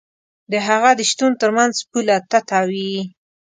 د هغه د شتون تر منځ پوله تته وي.